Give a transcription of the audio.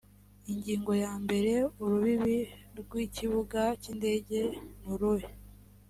ingingo yambere urubibi rw ikibuga cy indege nuruhe